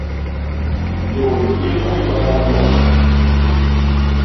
Ndôy i ñkuybaha nyoo.